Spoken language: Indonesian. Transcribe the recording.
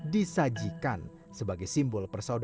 disajikan sebagai simbol persaudi